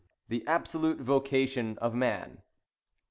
THE ABSOLUTE VOCATION OF MAN.